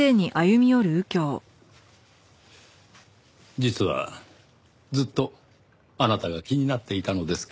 実はずっとあなたが気になっていたのですが。